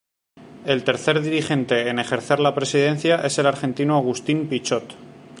El tercer dirigente en ejercer la presidencia es el argentino Agustín Pichot.